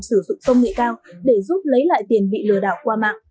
sử dụng công nghệ cao để giúp lấy lại tiền bị lừa đảo qua mạng